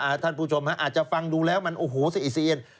ถ้าท่านผู้ชมนะเอาละจะฟังดูแล้วมันโอ้โฮสิเอียด